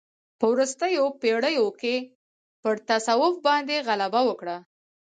په وروستیو پېړیو کې پر تصوف باندې غلبه وکړه.